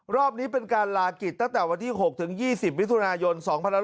รอบนี้เป็นการลากิจตั้งแต่๖๒๐วิทยุนายน๒๐๑๖